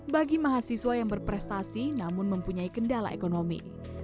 bagi mahasiswa yang berprestasi namun mempunyai kendala ekonomi